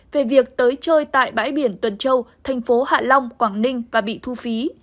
về việc tới chơi tại bãi biển tuần châu thành phố hạ long quảng ninh và bị thu phí